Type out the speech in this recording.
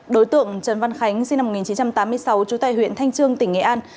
đối tượng trần văn khánh sinh năm một nghìn chín trăm tám mươi sáu trú tại huyện thanh trương tỉnh nghệ an